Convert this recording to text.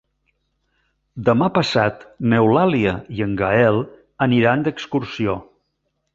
Demà passat n'Eulàlia i en Gaël aniran d'excursió.